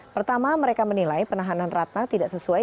pertama mereka menilai penahanan ratna tidak sesuai